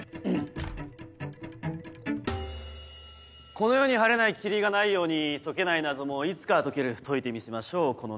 この世に晴れない霧がないように解けない謎もいつかは解ける解いてみせましょうこの謎を。